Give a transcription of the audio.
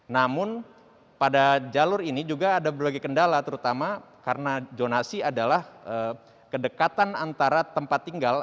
namun pada jalur ini juga ada berbagai kendala terutama karena zonasi adalah kedekatan antara tempat tinggal